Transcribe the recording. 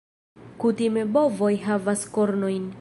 Kutime bovoj havas kornojn.